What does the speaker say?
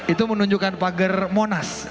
itu menunjukkan pager monas